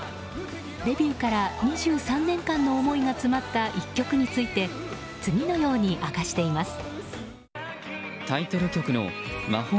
デビューから２３年間の思いが詰まった１曲について次のように明かしています。